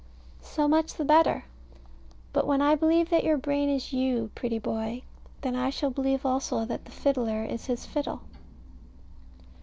So much the better: but when I believe that your brain is you, pretty boy, then I shall believe also that the fiddler is his fiddle.